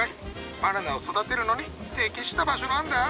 バナナを育てるのに適した場所なんだ！